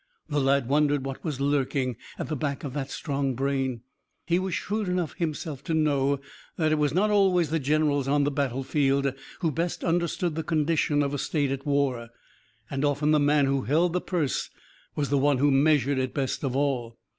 The lad wondered what was lurking at the back of that strong brain. He was shrewd enough himself to know that it was not always the generals on the battlefield who best understood the condition of a state at war, and often the man who held the purse was the one who measured it best of all.